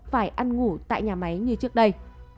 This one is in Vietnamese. phải ăn ngủ tại nhà máy như trước đây